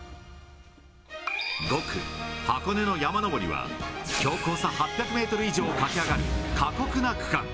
５区、箱根の山上りは、標高差８００メートル以上を駆け上がる過酷な区間。